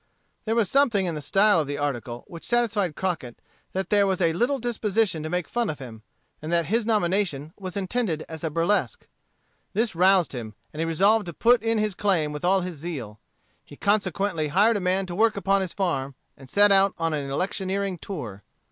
There was something in the style of the article which satisfied Crockett that there was a little disposition to make fun of him; and that his nomination was intended as a burlesque. This roused him, and he resolved to put in his claim with all his zeal. He consequently hired a man to work upon his farm, and set out on an electioneering tour.